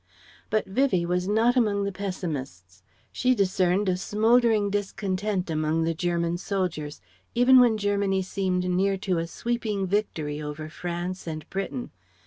But Vivie was not among the pessimists. She discerned a smouldering discontent among the German soldiers, even when Germany seemed near to a sweeping victory over France and Britain.